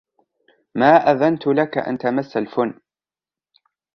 ما أذنت لك أن تمس الفن